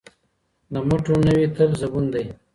د مټو نه وي تل زبون دی